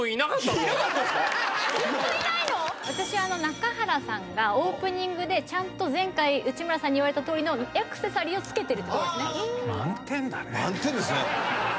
私中原さんがオープニングでちゃんと前回内村さんに言われたとおりのアクセサリーをつけてるところ。